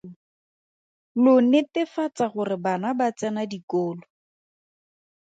Lo netefatsa gore bana ba tsena dikolo.